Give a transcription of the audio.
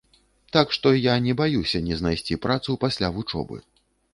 Так што я не баюся не знайсці працу пасля вучобы.